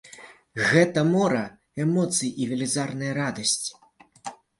Гэта мора эмоцый і велізарная радасць.